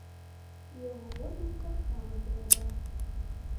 Яго году таксама трэба.